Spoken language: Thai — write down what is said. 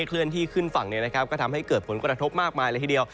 เคลื่อนที่ขึ้นฝั่งก็ทำให้เกิดผลกระทบมากมายเลยทีเดียว